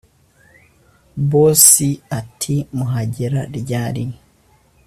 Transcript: boss ati”murahagera ryari”